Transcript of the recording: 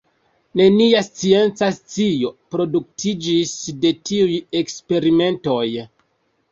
Nenia scienca scio produktiĝis de tiuj eksperimentoj.